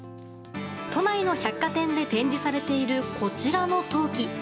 都内の百貨店で展示されているこちらの陶器。